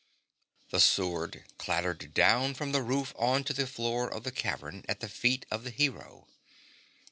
The swoi'd clattered down from the roof on to the floor of the cavern at the feet of the hero.